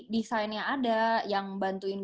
desainnya ada yang bantuin